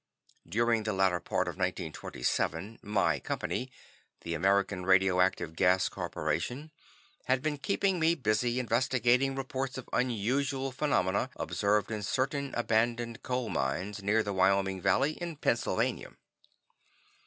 During the latter part of 1927 my company, the American Radioactive Gas Corporation, had been keeping me busy investigating reports of unusual phenomena observed in certain abandoned coal mines near the Wyoming Valley, in Pennsylvania.